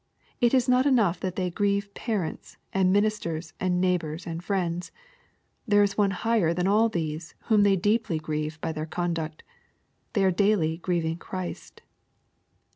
It is not enough that they grieve parents, and ministers, and neighbors, and friends. There is one higher than all these, whom they deeply grieve by their conduct. Thej^ are daily grieving Christ.